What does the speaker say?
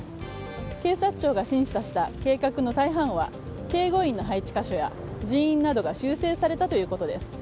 警察庁が審査した計画の大半は警護員の配置箇所や人員などが修正されたということです。